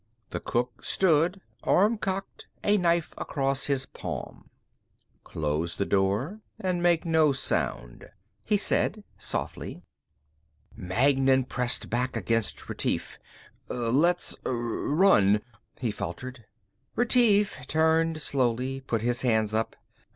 The cook stood, arm cocked, a knife across his palm. "Close the door and make no sound," he said softly. Magnan pressed back against Retief. "Let's ... r run...." he faltered. Retief turned slowly, put his hands up.